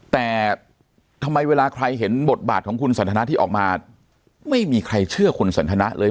แต่ทำไมเวลาใครเห็นบทบาทของคุณสันทนาที่ออกมาไม่มีใครเชื่อคุณสันทนาเลย